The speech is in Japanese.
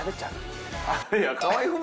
いや。